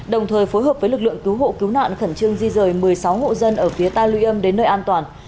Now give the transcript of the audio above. đồng thời phối hợp với lực lượng cứu hộ cứu nạn khẩn trương di rời một mươi sáu ngộ dân ở phía tàu luy âm đến nơi an toàn